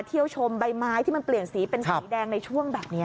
เที่ยวชมใบไม้ที่มันเปลี่ยนสีเป็นสีแดงในช่วงแบบนี้